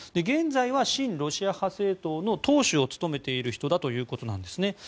現在は親ロシア派政党の党首を務めている人だということなんですね。